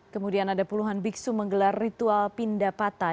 kemudian ada puluhan biksu menggelar ritual pindah patah